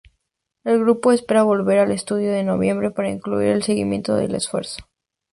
El grupo espera volver al estudio en noviembre para concluir el seguimiento del esfuerzo.